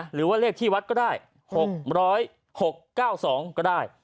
หรือว่าเลขที่วัดก็ได้๖๐๖๙๒ก็ได้